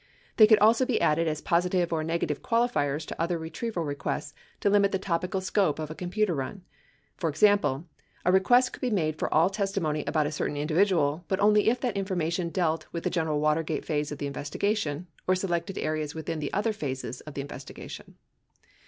They could also be added as positive or negative qualifiers to other retrieval requests to limit the topical scope of a computer run. For example, a request could be made for all testimony about a certain individual but only if that information dealt with the general Watergate phase of the investigation or selected areas within the other phases of the investigation.